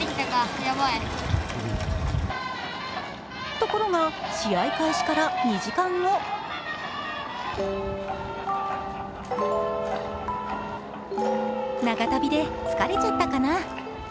ところが試合開始から２時間後長旅で疲れちゃったかな。